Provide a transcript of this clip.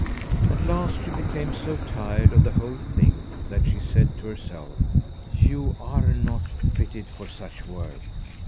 At last she became so tired of the whole thing that she said to herself: "You are not fitted for such work.